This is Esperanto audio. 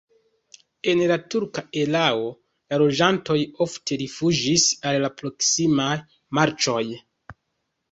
En la turka erao la loĝantoj ofte rifuĝis al la proksimaj marĉoj.